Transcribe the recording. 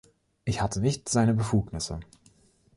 Ich hatte nicht seine Befugnisse.